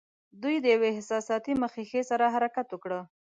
دوی د یوې احساساتي مخه ښې سره حرکت وکړ.